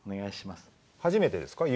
初めてですか？